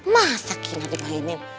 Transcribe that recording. masa kinar dipainin